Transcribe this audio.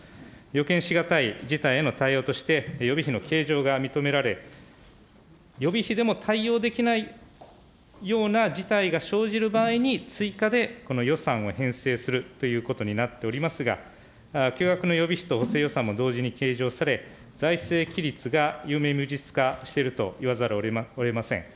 予見し難い事態への対応として、予備費の計上が認められ、予備費でも対応できないような事態が生じる場合に、追加でこの予算を編成するということになっておりますが、巨額の予備費と補正予算も同時に計上され、財政規律が有名無実化していると言わざるをえません。